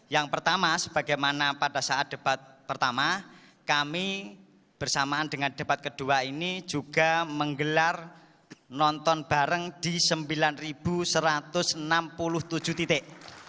yang pertama sebagaimana pada saat debat pertama kami bersamaan dengan debat kedua ini juga menggelar nonton bareng di sembilan satu ratus enam puluh tujuh titik